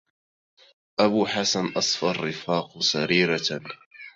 أبو حسن أصفى الرفاق سريرة